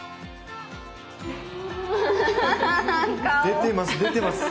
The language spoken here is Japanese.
出てます出てます。